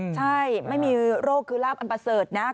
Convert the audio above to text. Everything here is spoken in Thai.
ใช่ไม่มีโรคคือราบอันเป้าเสิร์ชนะครับ